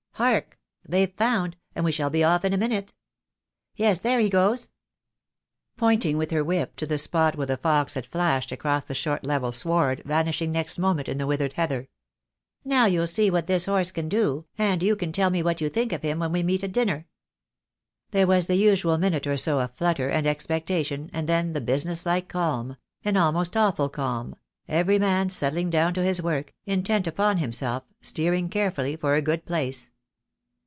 Hark! they've found, and we shall be off in a minute. Yes, there he goes !" point ing with her whip to the spot where the fox had flashed across the short level sward, vanishing next moment in the withered heather. "Now you'll see what this horse can do, and you can tell me what you think of him when we meet at dinner." There was the usual minute or so of flutter and ex pectation, and then the business like calm — an almost awful calm — every man settling down to his work, intent upon himself, steering carefully for a good place.